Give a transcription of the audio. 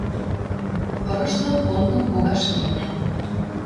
Кырыш дон понгым погаш кеннӓ